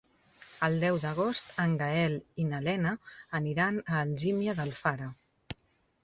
El deu d'agost en Gaël i na Lena aniran a Algímia d'Alfara.